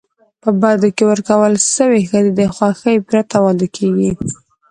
په بدو کي ورکول سوي ښځي د خوښی پرته واده کيږي.